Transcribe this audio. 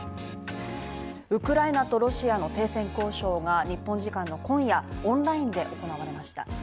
ウクライナとロシアの停戦交渉が日本時間の今夜、オンラインで行われました。